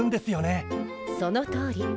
そのとおり。